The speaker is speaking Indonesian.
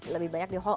lebih banyak di lohong